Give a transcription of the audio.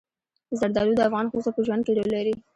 زردالو د افغان ښځو په ژوند کې رول لري.